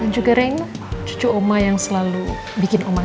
dan juga rina cucu oma yang selalu bikin oma happy